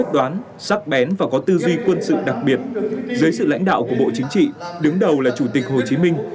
dưới sự lãnh đạo của bộ chính trị đứng đầu là chủ tịch hồ chí minh